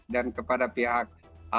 dan kepada pihak